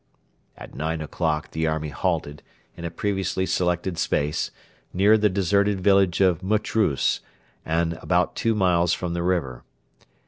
At nine o'clock the army halted in a previously selected space, near the deserted village of Mutrus and about two miles from the river.